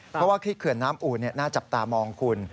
เพราะว่าที่เขื่อนน้ำอูนน่าจับตามองคุณ